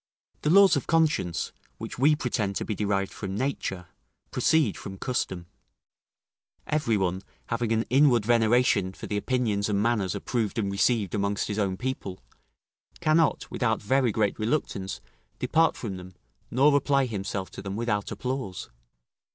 The laws of conscience, which we pretend to be derived from nature, proceed from custom; every one, having an inward veneration for the opinions and manners approved and received amongst his own people, cannot, without very great reluctance, depart from them, nor apply himself to them without applause.